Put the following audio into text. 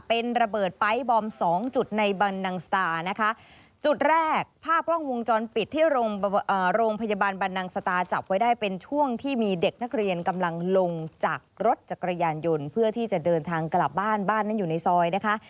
เป็นระเบิดไป๊บอมสองจุดในบรรนังสตานะคะจุดแรกภาพกล้องวงจรปิดที่โรงพยาบาลบรรนังสตาจับไว้ได้เป็นช่วงที่มีเด็กนักเรียนกำลังลงจากรถจักรยานยนต์เพื่อที่จะเดินทางกลับบ้านบ้านนั้นอยู่ในซอยนะคะ